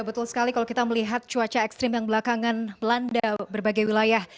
betul sekali kalau kita melihat cuaca ekstrim yang belakangan melanda berbagai wilayah